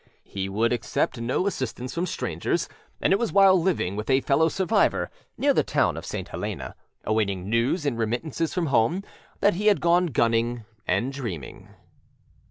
He would accept no assistance from strangers, and it was while living with a fellow survivor near the town of St. Helena, awaiting news and remittances from home, that he had gone gunning and dreaming.